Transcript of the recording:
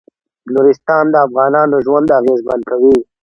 نورستان د افغانانو ژوند اغېزمن کوي.